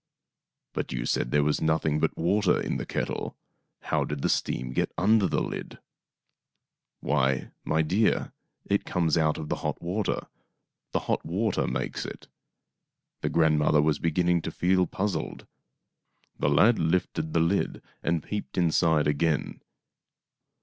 " But you said there was nothing but water in the kettle. How did the steam get under the lid .''" "Why, my dear, it comes out of the hot water. The hot water makes it." The grandmother was beginning to feel puzzled. The lad lifted the lid and peeped inside again.